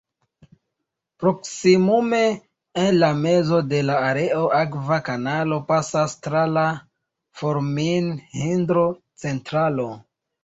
Proksimume en la mezo de la areo, akva kanalo pasas tra la Formin-hidro-centralo.